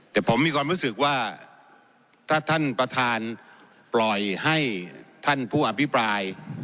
แต่ผมมีความรู้สึกว่าถ้าท่านประธานปล่อยให้ท่านผู้อภิปราย